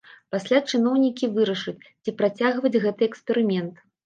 Пасля чыноўнікі вырашаць, ці працягваць гэты эксперымент.